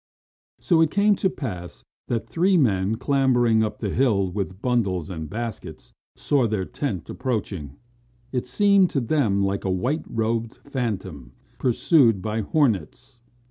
So it came to pass that three men, clambering up the hill with bundles and baskets, saw their tent approaching. It seemed to them like a white robed phantom pursued by hornets.